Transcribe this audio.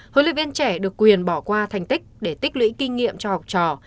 huấn luyện viên trẻ được quyền bỏ qua thành tích để tích lũy kinh nghiệm cho học trò